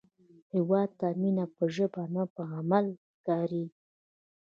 هیواد ته مینه په ژبه نه، په عمل ښکارېږي